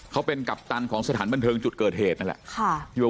เขาเป็นกัปตันของสถานบันเทิงจุดเกิดเหตุนั่นแหละ